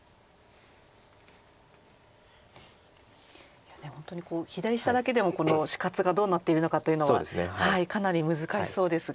いや本当に左下だけでも死活がどうなっているのかというのはかなり難しそうですが。